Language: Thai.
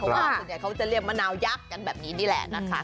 เพราะว่าเป็นสิ่งใดเช่นเขาจะเรียกมะนาวยักษ์กันแบบนี้นี่แหละ